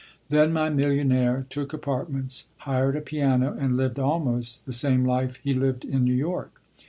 Then my millionaire took apartments, hired a piano, and lived almost the same life he lived in New York.